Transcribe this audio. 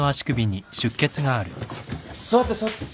座って座って。